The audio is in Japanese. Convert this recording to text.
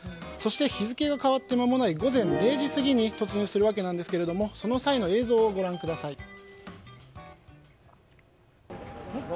そして、日付が変わって間もない午前０時過ぎに突入するわけなんですがその際の映像をご覧ください。